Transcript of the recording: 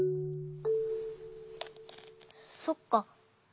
そっか。